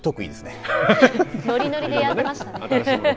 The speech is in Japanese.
ノリノリでやっていましたね。